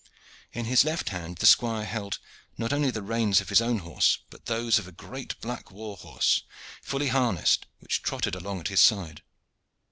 In his left hand the squire held not only the reins of his own horse but those of a great black war horse, fully harnessed, which trotted along at his side.